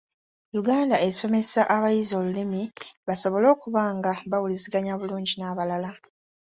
Uganda esomesa abayizi olulimi basobole okuba nga bawuliziganya bulungi n'abalala.